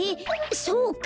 そうか。